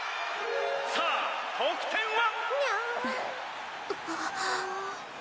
さあ得点は。